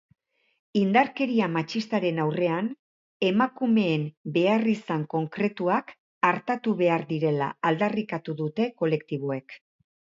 Indarkeria matxistaren aurrean emakumeen beharrizan konkretuak artatu behar direla aldarrikatu dute kolektiboek.